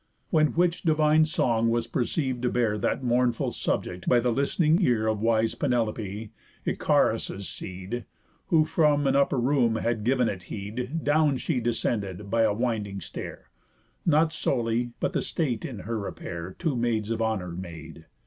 When which divine song was perceiv'd to bear That mournful subject by the list'ning ear Of wise Penelope, Icarius' seed, Who from an upper room had giv'n it heed, Down she descended by a winding stair, Not solely, but the state in her repair Two maids of honour made.